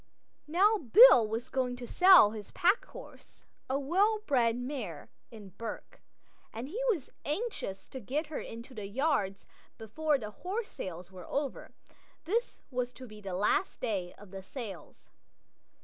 Now Bill was going to sell his packhorse, a well bred mare, in Bourke, and he was anxious to get her into the yards before the horse sales were over; this was to be the last day of the sales.